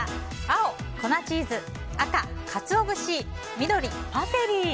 青、粉チーズ赤、カツオ節緑、パセリ。